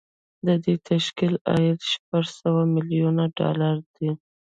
د دې تشکیل عایدات شپږ سوه میلیونه ډالر دي